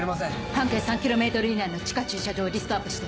半径３ｋｍ以内の地下駐車場をリストアップして。